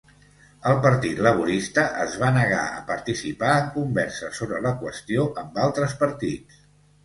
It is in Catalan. El Partit Laborista es va negar a participar en converses sobre la qüestió amb altres partits.